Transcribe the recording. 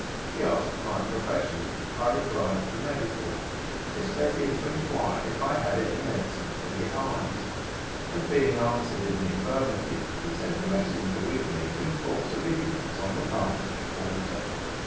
He asked my profession. I replied the medical. This led him to inquire if I had any medicine for the eyes, and [p.161]being answered in the affirmative, he sent a messenger with me to enforce obedience on the part of the porter.